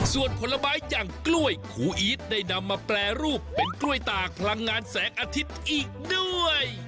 ส่วนผลไม้อย่างกล้วยครูอีทได้นำมาแปรรูปเป็นกล้วยตากพลังงานแสงอาทิตย์อีกด้วย